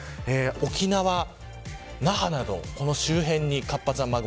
沖縄の那覇などこの周辺に活発な雨雲